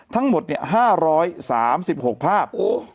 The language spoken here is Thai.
ทั้งหมด๕๓๖ภาพ